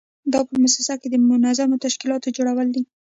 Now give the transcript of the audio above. دا په موسسه کې د منظمو تشکیلاتو جوړول دي.